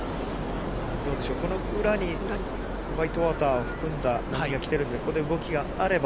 どうでしょう、この裏に、ホワイトウォーターを含んだ波が来てるんで、ここで動きがあれば。